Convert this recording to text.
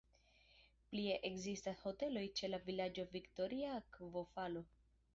Plie ekzistas hoteloj ĉe la vilaĝo "Viktoria Akvofalo".